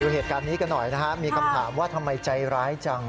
เหตุการณ์นี้กันหน่อยนะฮะมีคำถามว่าทำไมใจร้ายจัง